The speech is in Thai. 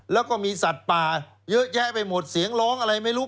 แล้วก็มีสัตว์ป่าเยอะแยะไปหมดเสียงร้องอะไรไม่รู้